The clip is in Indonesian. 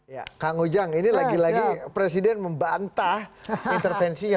ya kak ngojang ini lagi lagi presiden membantah intervensinya